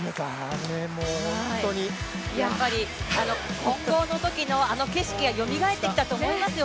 やっぱり混合のときの、あの景色がよみがえってきたと思いますよ